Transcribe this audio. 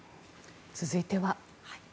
続いては。